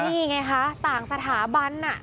นี่ไงฮะต่างสถาบัน